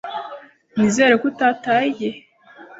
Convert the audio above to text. Nizere ko utataye igihe.